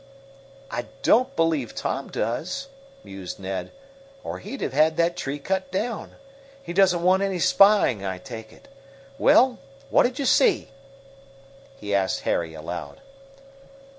"I don't believe Tom does," mused Ned, "or he'd have had that tree cut down. He doesn't want any spying, I take it. Well, what'd you see?" he asked Harry aloud.